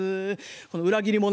この裏切り者。